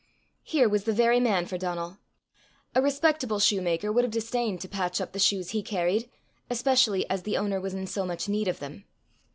Here was the very man for Donal! A respectable shoemaker would have disdained to patch up the shoes he carried especially as the owner was in so much need of them.